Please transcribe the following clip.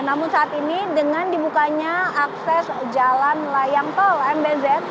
namun saat ini dengan dibukanya akses jalan layang tol mbz